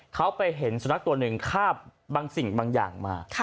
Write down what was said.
เขาไปเห็นสุนัขตัวหนึ่งคาบบางสิ่งบางอย่างมา